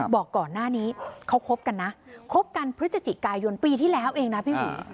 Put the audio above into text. บอกก่อนหน้านี้เขาคบกันนะคบกันพฤศจิกายนปีที่แล้วเองนะพี่อุ๋ย